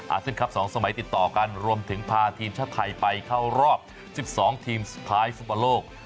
เซียนคลับ๒สมัยติดต่อกันรวมถึงพาทีมชาติไทยไปเข้ารอบ๑๒ทีมสุดท้ายฟุตบอลโลก